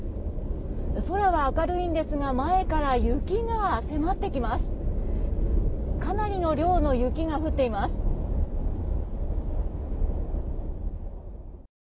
空は明るいんですが前から雪が迫ってきます。